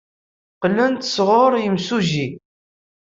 Qqlen-d sɣur yimsujji.